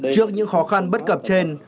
trước những khó khăn bất cập trên